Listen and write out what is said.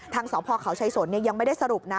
สพเขาชัยสนยังไม่ได้สรุปนะ